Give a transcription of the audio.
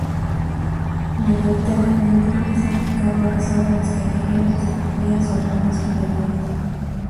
Mayoritariamente es aplicado a desórdenes callejeros y peleas urbanas juveniles.